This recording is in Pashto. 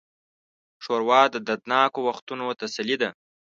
ښوروا د دردناکو وختونو تسلي ده.